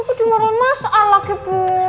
di marahin masalah lagi bu